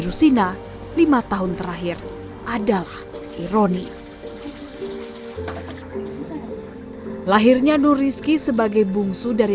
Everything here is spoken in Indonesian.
rusina lima tahun terakhir adalah ironi lahirnya nur rizki sebagai bungsu dari